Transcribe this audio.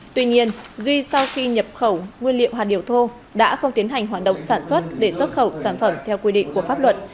tuy nhiên duy sau khi nhập khẩu nguyên liệu hạt điều thô đã không tiến hành hoạt động sản xuất để xuất khẩu sản phẩm theo quy định của pháp luật